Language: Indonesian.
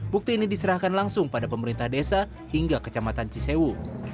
bukti ini diserahkan langsung pada pemerintah desa hingga kecamatan cisewu